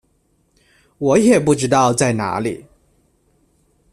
我也不知道在哪里